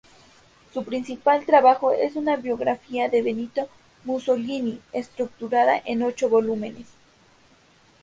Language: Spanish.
Su principal trabajo es una biografía de Benito Mussolini, estructurada en ocho volúmenes.